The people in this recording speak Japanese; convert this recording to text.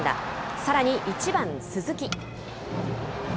さらに１番鈴木。